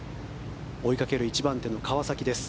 追いかける１番手の川崎です。